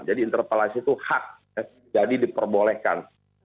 jadi interpelasi itu hak jadi diperbolehkan